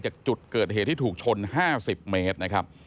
จากจุดเกิดเหตุที่ถูกชน๕๐เมตรนะครับ